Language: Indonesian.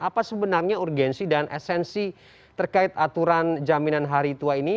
apa sebenarnya urgensi dan esensi terkait aturan jaminan hari tua ini